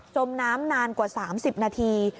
มน้ำนานกว่า๓๐นาที